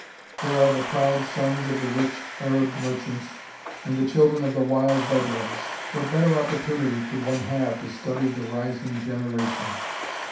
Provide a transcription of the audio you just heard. There are the proud sons of the rich Arab merchants, and the children of the wild Bedouins. What better opportunity could one have to study the rising generation?